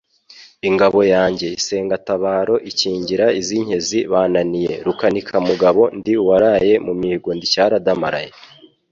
ingabo yanjye isengatabaro ikingira iz'inkenzi bananiye Rukanikamugabo, ndi uwaraye mu mihigo ndi Cyaradamaraye.